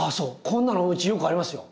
こんなのうちよくありますよ。